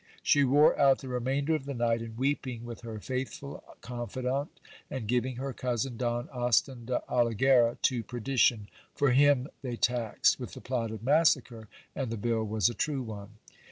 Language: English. She wore out the remainder of the night in weeping with her faithful confidante, and giving her cousin, Don Austin de Olighera, to perdition : for him they taxed with the plotted massacre, and the bill was a true one.